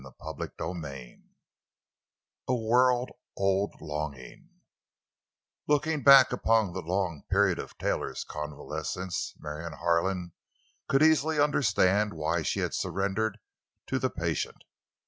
CHAPTER XXIII—A WORLD OLD LONGING Looking back upon the long period of Taylor's convalescence, Marion Harlan could easily understand why she had surrendered to the patient.